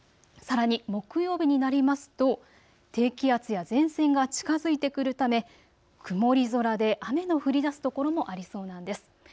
さらに木曜日になりますと低気圧や前線が近づいてくるため曇り空で雨の降りだす所もありそうなんです。